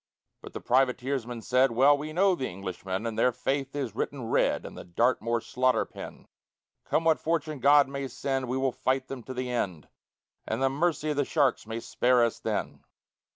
But the privateersman said, "Well we know the Englishmen, And their faith is written red in the Dartmoor slaughter pen. Come what fortune God may send, we will fight them to the end, And the mercy of the sharks may spare us then."